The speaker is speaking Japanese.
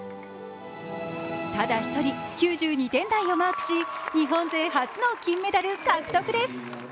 ただ１人９２点台をマークし、日本勢初の金メダル獲得です。